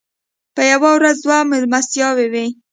په یوه ورځ دوه مېلمستیاوې وې.